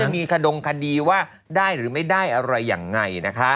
ก็จะมีขโดงคดีได้ไม่ได้อะไรอย่างไร